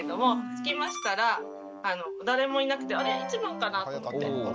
着きましたら誰もいなくて「あれ１番かな？」と思って待ってました。